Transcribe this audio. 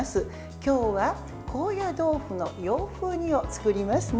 今日は高野豆腐の洋風煮を作りますね。